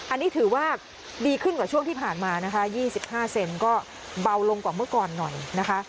อันนี้ถือว่าดีขึ้นกว่าช่วงที่ผ่านมานะคะ๒๕เซนก็เบาลงกว่าเมื่อก่อนหน่อยนะคะ